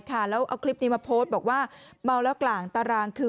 ค่ะแล้วเอาคลิปนี้มาโพสต์บอกว่าเมาแล้วกลางตารางคือ